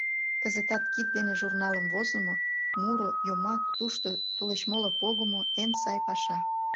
Кызытат кид дене журнал возымо, муро, йомак, тушто т.м. погымо — эн сай паша.